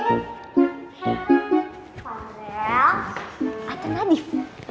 marel atau nadif